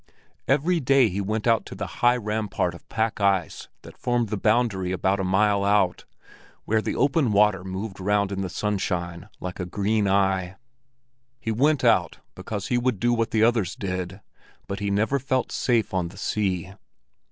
Every day he went out to the high rampart of pack ice that formed the boundary about a mile out, where the open water moved round in the sunshine like a green eye. He went out because he would do what the others did, but he never felt safe on the sea.